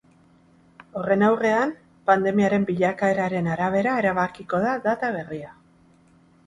Horren aurrean, pandemiaren bilakaeraren arabera erabakiko da data berria.